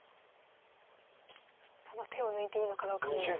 ただ手を抜いていいのかどうかも。